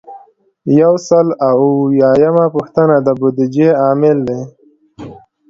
یو سل او اووه اویایمه پوښتنه د بودیجې عامل دی.